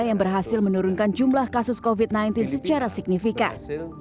yang berhasil menurunkan jumlah kasus covid sembilan belas secara signifikan